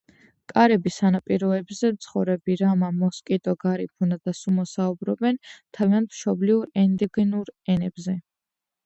კარიბის სანაპიროებზე მცხოვრები რამა, მოსკიტო, გარიფუნა და სუმო საუბრობენ თავიანთ მშობლიურ, ენდოგენურ ენებზე.